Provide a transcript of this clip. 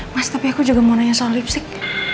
mas tapi aku juga mau nanya soal lipstick